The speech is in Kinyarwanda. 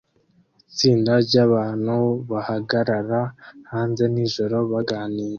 Itsinda ryabantu bahagarara hanze nijoro baganira